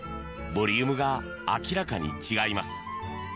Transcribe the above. ボリュームが明らかに違います。